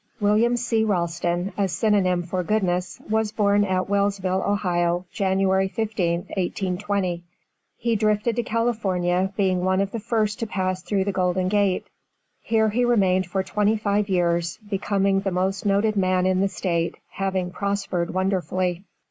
William C. Ralston, a synonym for goodness, was born at Wellsville, Ohio, January 15th, 1820. He drifted to California, being one of the first to pass through the Golden Gate. Here he remained for twenty five years, becoming the most noted man in the State, having prospered wonderfully.